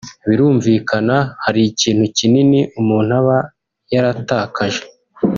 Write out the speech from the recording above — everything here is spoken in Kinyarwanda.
Birumvikana hari ikintu kinini umuntu aba yaratakaje